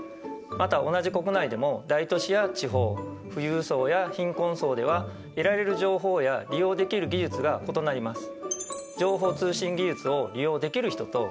また同じ国内でも大都市や地方富裕層や貧困層では得られる情報や利用できる技術が異なります。